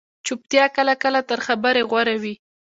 چُپتیا کله کله تر خبرې غوره وي